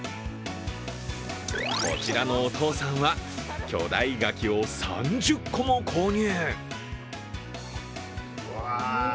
こちらのお父さんは巨大がきを３０個も購入。